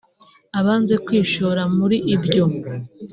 Abanze kwishora muri ibyo